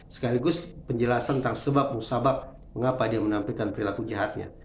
sekaligus penjelasan tentang sebab musabab mengapa dia menampilkan perilaku jahatnya